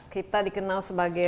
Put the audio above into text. kita dikenal sebagai